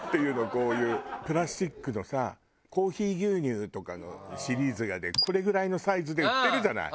こういうプラスチックのさコーヒー牛乳とかのシリーズがこれぐらいのサイズで売ってるじゃない。